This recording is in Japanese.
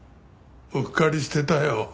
うっかりしてたよ。